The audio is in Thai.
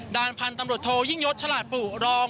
ด้านพันธุ์ตำรวจโทยิ่งยศฉลาดปู่รอง